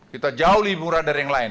kita jauh lebih murah dari yang lain